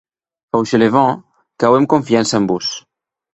Fauchelevent, qu’auem confiança en vos.